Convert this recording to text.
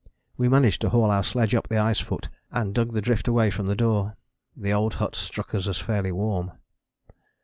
We managed to haul our sledge up the ice foot, and dug the drift away from the door. The old hut struck us as fairly warm.